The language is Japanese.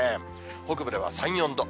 北部では３、４度。